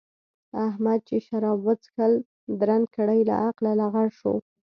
احمد چې شراب وڅښل؛ درنګ ګړۍ له عقله لغړ شو.